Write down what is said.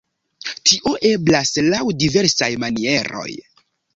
Tio eblas laŭ diversaj manieroj.